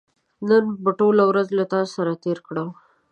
نن به ټوله ورځ له تاسو سره تېره کړم